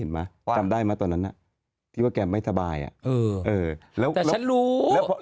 เห็นไหมจำได้ไหมตอนนั้นที่ว่าแกไม่ทบายเออเออแต่ฉันรู้แล้ว